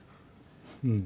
うん。